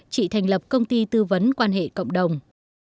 chị thành lập công ty tư vấn quan hệ cộng đồng